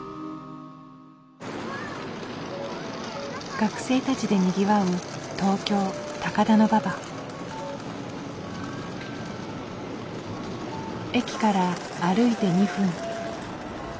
学生たちでにぎわう駅から歩いて２分。